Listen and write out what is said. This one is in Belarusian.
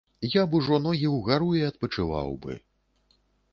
Я б ужо ногі ўгару і адпачываў бы.